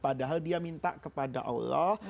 padahal dia minta kepada allah